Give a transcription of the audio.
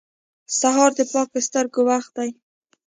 سهار د پاکو سترګو وخت دی.